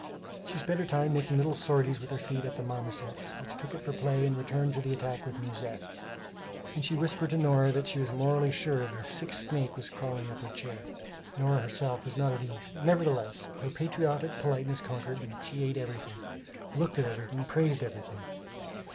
She spent her time making little sorties with her feet at the marmosets, which took it for play and returned to the attack with new zest; and she whispered to Nora that she was morally sure the sixth snake was crawling up her chair. Nora, herself, was not at ease; nevertheless, her patriotic politeness conquered; she ate everything, looked at everything, praised everything.